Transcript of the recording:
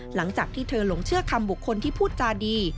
หลังจากที่เธอหลงเชื่อคำบุคคลที่พูดจาดี